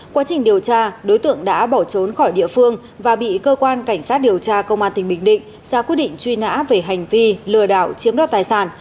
quá trình điều tra đối tượng đã bỏ trốn khỏi địa phương và bị cơ quan cảnh sát điều tra công an tỉnh bình định ra quyết định truy nã về hành vi lừa đảo chiếm đoạt tài sản